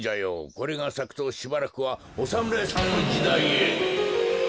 これがさくとしばらくはおさむらいさんのじだいへ。